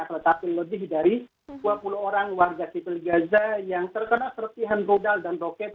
tetapi lebih dari dua puluh warga sipil gaza yang terkena seretihan dodal dan roket